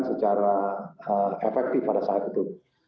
secara efektif pada saat itu